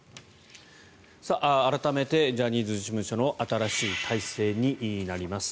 改めてジャニーズ事務所の新しい体制になります。